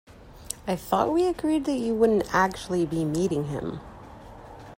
I thought we'd agreed that you wouldn't actually be meeting him?